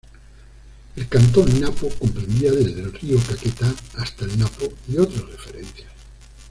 El cantón Napo comprendía desde el río Caquetá hasta el Napo, y otras referencias.